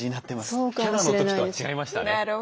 伽羅の時とは違いましたね。